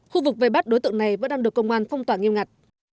khu vực vây bắt đối tượng này vẫn đang được công an phong tỏa nghiêm ngặt